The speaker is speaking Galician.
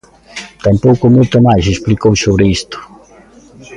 Tampouco moito máis explicou sobre isto.